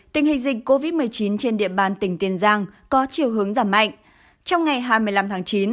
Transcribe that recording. tình hình dịch covid một mươi chín trên địa bàn tỉnh tiền giang có chiều hướng giảm mạnh trong ngày hai mươi năm tháng chín